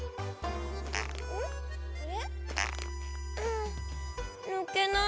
んぬけないなぁ。